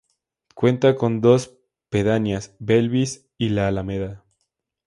Cuenta con dos pedanías, Belvís y La Alameda.